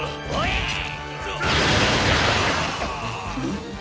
ん？